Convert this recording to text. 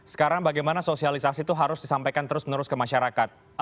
sekarang bagaimana sosialisasi itu harus disampaikan terus menerus ke masyarakat